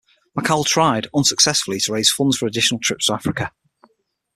Mackal tried, unsuccessfully, to raise funds for additional trips to Africa.